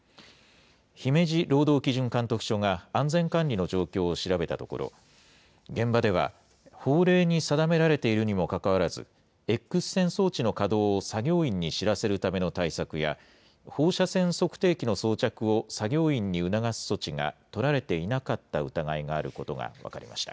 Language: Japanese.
姫路労働基準監督署が安全管理の状況を調べたところ、現場では、法令に定められているにもかかわらず、エックス線装置の稼働を作業員に知らせるための対策や、放射線測定器の装着を作業員に促す措置が取られていなかった疑いがあることが分かりました。